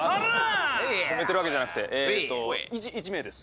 褒めてるわけじゃなくてえっと１名です。